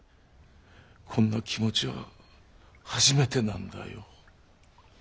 こんな気持ちは初めてなんだよ。